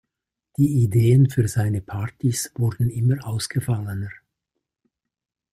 Die Ideen für seine Partys wurden immer ausgefallener.